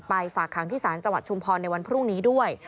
ฝากขังที่ศาลจังหวัดชุมพรในวันพรุ่งนี้ด้วย